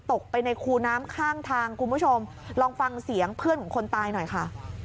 ตกไปในคูน้ำข้างทางคุณผู้ชมลองฟังเสียงเพื่อนของคนตายหน่อยค่ะ